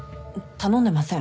頼んでません。